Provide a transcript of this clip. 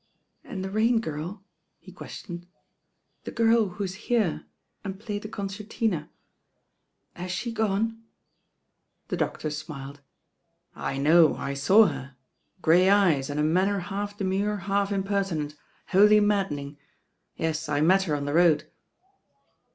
"And the Rain Girl?" he questioned, "th? ^^rl who was here and played the concertina. Ha» she gone?" The doctor smiled. "I know, I saw her. Grey eyes and a manner half demure, half impertinent, wholly maddening. Yes, I met her on the road."